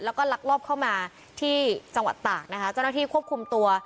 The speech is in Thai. แล้วก็ลักลอบเข้ามาที่จังหวัดตากนะคะเจ้าหน้าที่ควบคุมตัว